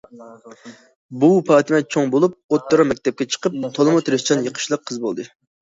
بۈۋى پاتىمە چوڭ بولۇپ، ئوتتۇرا مەكتەپكە چىقىپ، تولىمۇ تىرىشچان، يېقىشلىق قىز بولدى.